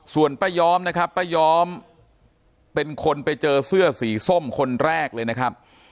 ส่วนป้าย้อมนะครับป้าย้อมเป็นคนไปเจอเสื้อสีส้มคนแรกเลยนะครับ